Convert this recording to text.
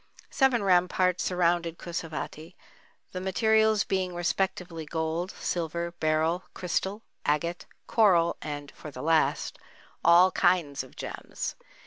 Seven ramparts surrounded Kusavati, the materials being respectively gold, silver, beryl, crystal, agate, coral and (for the last) "all kinds of gems."